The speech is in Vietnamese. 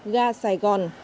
gà sài gòn